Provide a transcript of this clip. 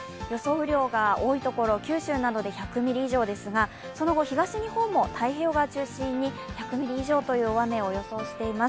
雨量が多いところ、九州などで１００ミリ以上その後東日本も太平洋側中心に１００ミリ以上という大雨を予想しています。